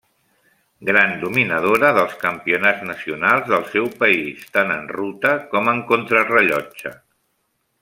Gran dominadora dels campionats nacionals del seu país, tant en ruta com en contrarellotge.